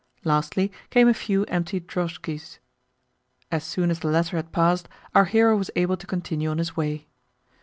Lastly came a few empty drozhkis. As soon as the latter had passed, our hero was able to continue on his way.